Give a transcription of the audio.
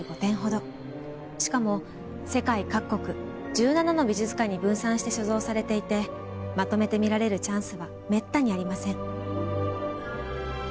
しかも世界各国１７の美術館に分散して所蔵されていてまとめて見られるチャンスはめったにありません。